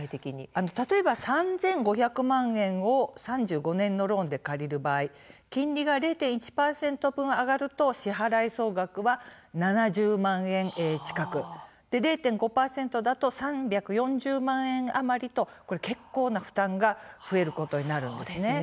例えば、３５００万円を３５年のローンで借りる場合金利が０．１％分上がると支払総額が７０万円近く０．５％だと３４０万円余りと結構な負担が増えることになるんです。